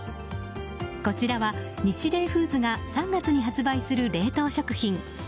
こちらはニチレイフーズが３月に発売する冷凍食品。